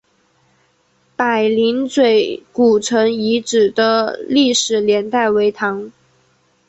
柏林嘴古城遗址的历史年代为唐。